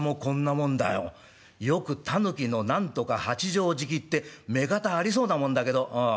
よく『狸の何とか八畳敷き』って目方ありそうなもんだけどおお